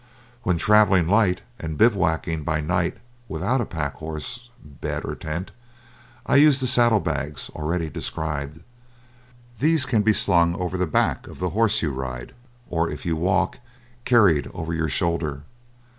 When travelling light and bivouacking by night without a pack horse, bed, or tent, I use the saddle bags, already described. These can be slung over the back of the horse you ride, or if you walk, carried over your shoulder.